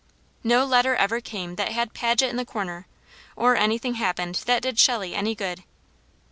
No letter ever came that had Paget in the corner, or anything happened that did Shelley any good.